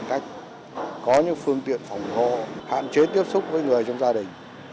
cách có những phương tiện phòng hộ hạn chế tiếp xúc với người trong gia đình